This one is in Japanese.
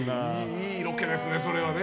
いいロケですね、それはね